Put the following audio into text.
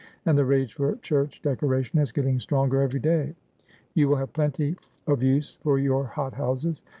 And the rage for church de coration is getting stronger every day. You will have plenty of use for your hot houses.